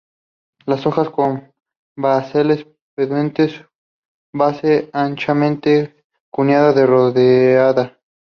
Las hojas son basales, pubescentes, base anchamente cuneada a redondeada.